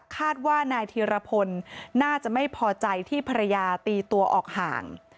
คาดว่านายธีรพลน่าจะไม่พอใจที่ภรรยาตีตัวออกห่าง